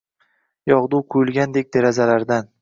Yogʻdu quyulgandek derazalardan